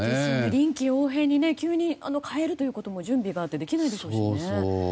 臨機応変に急に変えるということも準備があってできないでしょうしね。